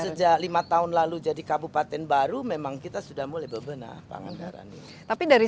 sejak lima tahun lalu jadi kabupaten baru memang kita sudah mulai bebenah pangandaran tapi dari